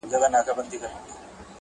څو به زمان ګرځوي موجونه له بېړیو!.